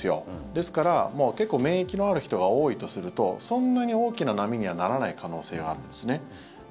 ですから、結構免疫のある人が多いとするとそんなに大きな波にはならない可能性があるんですね。